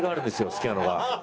好きなのが。